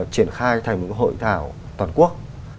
triển khai thành một hội thảo toàn quốc